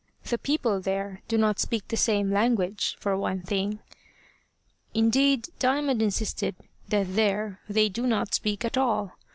The people there do not speak the same language for one thing. Indeed, Diamond insisted that there they do not speak at all.